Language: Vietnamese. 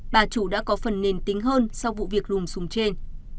bà chủ đã có phần nền tính hơn sau vụ việc rùm sùng trên